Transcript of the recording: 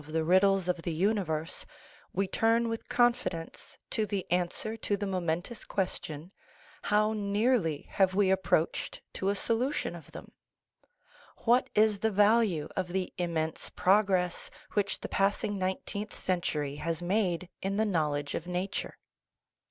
the riddles of the universe we turn with confidence to the answer to the momentous question, How nearly have we approached to a solution of them? What is the value of the immense progress which the passing nine teenth century has made in the knowledge of nature?